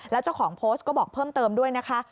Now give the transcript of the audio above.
แล้วเจ้าของโพสต์ก็บอกเพิ่มเติมด้วยนะคะ